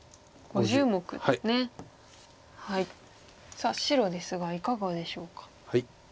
さあ白ですがいかがでしょうか？